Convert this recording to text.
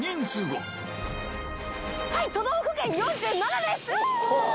はい都道府県４７です